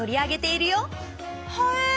へえ！